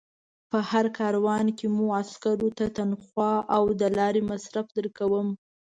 په هر کاروان کې مو عسکرو ته تنخوا او د لارې مصارف درکوم.